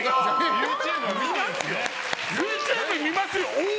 ＹｏｕＴｕｂｅ見ますよおお！